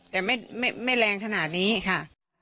แต่ไม่แรงขนาดนี้ค่ะ